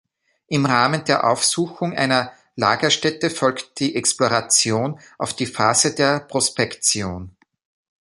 Im Rahmen der Aufsuchung einer Lagerstätte folgt die Exploration auf die Phase der Prospektion.